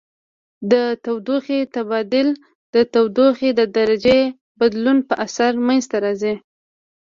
د تودوخې تبادل د تودوخې د درجې بدلون په اثر منځ ته راځي.